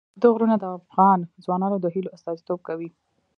اوږده غرونه د افغان ځوانانو د هیلو استازیتوب کوي.